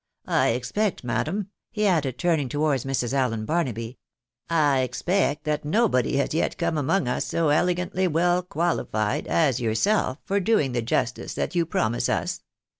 " I expect, madam," he added, turning towards Mm. Allen Barnaby, " 1 expect that nobody has yet come among us so elegantly weU qualified as yourself for doing the jus tice that you promise us.